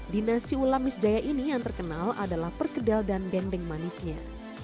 di nasi ulam mis jaya ini yang terkenal adalah perkedel dan gendeng manisnya